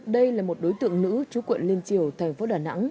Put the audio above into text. đây là một đối tượng nữ chú quận liên triều thành phố đà nẵng